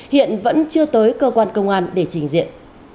hiện vẫn chưa tới cơ quan công an để trình diện